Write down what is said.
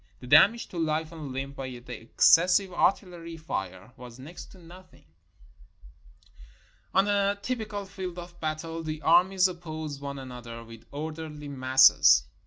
The damage to life and limb by the exces sive artillery fire was next to nothing. On a typical field of battle the armies oppose one an other with orderly masses.